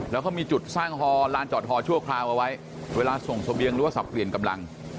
แล้วเขามีจุดสร้างฮอลานจอดฮอชั่วคราวเอาไว้เวลาส่งเสบียงหรือว่าสับเปลี่ยนกำลัง